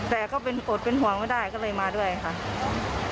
แต่ก็เป็นอดเป็นห่วงไม่ได้ก็เลยมาด้วยค่ะ